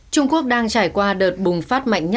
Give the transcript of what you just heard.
trung quốc đang trải qua đợt bùng phát mạnh